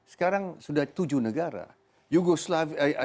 sekarang sudah tujuh negara